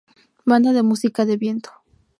Banda de música de viento.